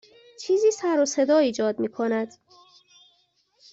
چیزی سر و صدا ایجاد می کند.